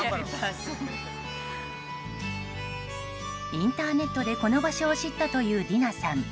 インターネットで、この場所を知ったというディナさん。